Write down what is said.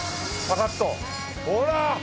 ほら！